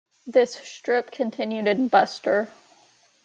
This strip continued in Buster.